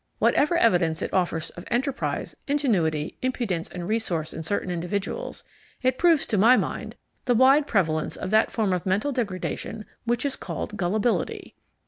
Whatever evidence it offers of enterprise, ingenuity, impudence, and resource in certain individuals, it proves to my mind the wide prevalence of that form of mental degradation which is called gullibility.